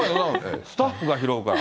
スタッフが拾うから。